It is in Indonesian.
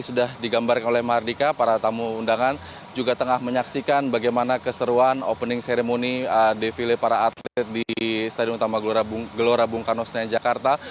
sudah digambarkan oleh mardika para tamu undangan juga tengah menyaksikan bagaimana keseruan opening ceremony defile para atlet di stadion utama gelora bung karno senayan jakarta